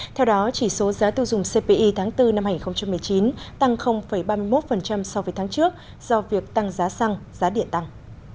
theo đó chỉ số giá tiêu dùng cpi tháng bốn năm hai nghìn một mươi chín tăng ba mươi một so với tháng trước do việc tăng giá xăng giá điện tăng